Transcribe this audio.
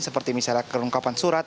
seperti misalnya kelengkapan surat